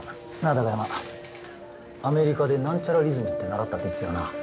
貴山アメリカで何ちゃらリズムって習ったって言ってたよな？